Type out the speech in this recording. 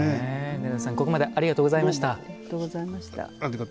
根立さん、ここまでありがとうございました。